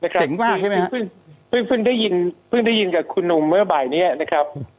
เก่งมากใช่ไหมครับเพิ่งได้ยินเพิ่งได้ยินกับคุณหนุ่มเมื่อบ่ายนี้นะครับ